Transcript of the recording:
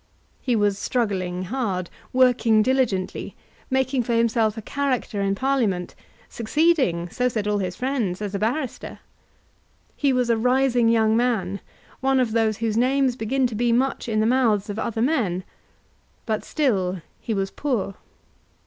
He was struggling hard, working diligently, making for himself a character in Parliament, succeeding, so said all his friends, as a barrister. He was a rising young man, one of those whose names began to be much in the mouths of other men; but still he was poor.